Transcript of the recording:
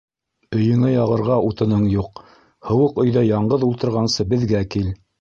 Өйөңә яғырға утының юҡ, һыуыҡ өйҙә яңғыҙ ултырғансы, беҙгә кил.